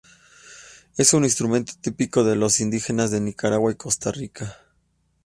Es un instrumento típico de los indígenas de Nicaragua y Costa Rica.